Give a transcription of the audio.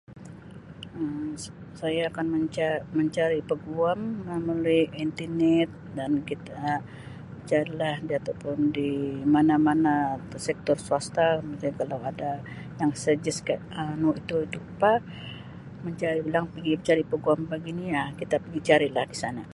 "Um Saya akan mencari peguam melalui internet dan kita cari lah ataupun di mana-mana sektor swasta mungkin kalau ada yang ""suggest"" Um [unintelligible] dia bilang pigi cari peguam begini kita pigi cari lah di sana."